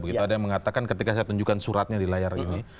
begitu ada yang mengatakan ketika saya tunjukkan suratnya di layar ini